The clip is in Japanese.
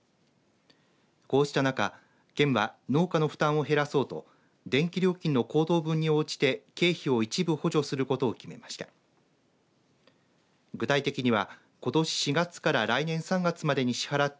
こうした中県は農家の負担を減らそうと電気料金の高騰分に応じて経費を一部補助することを決めました。